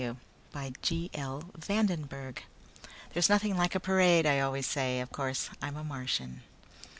F. W. By G. L. VANDENBURG _There's nothing like a parade, I always say. Of course, I'm a Martian.